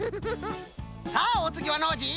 さあおつぎはノージー。